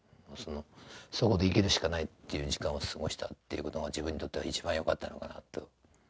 そこで生きるしかないっていう時間を過ごしたって事が自分にとっては一番よかったのかなと。